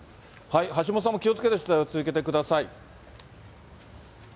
橋本さんも気をつけて取材を続けてください。